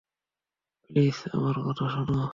Please আমার কথা শোনো।